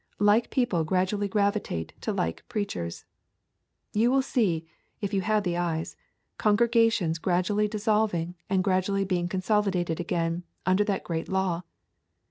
Like people gradually gravitate to like preachers. You will see, if you have the eyes, congregations gradually dissolving and gradually being consolidated again under that great law.